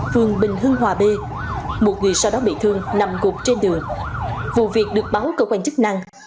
phường bình hưng hòa b một người sau đó bị thương nằm gục trên đường vụ việc được báo cơ quan chức năng